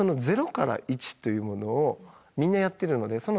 ０から１というものをみんなやってるので。